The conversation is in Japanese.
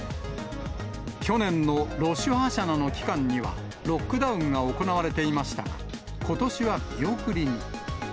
去年のロシュ・ハシャナの期間には、ロックダウンが行われていましたが、ことしは見送りに。